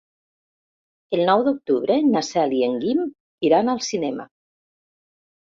El nou d'octubre na Cel i en Guim iran al cinema.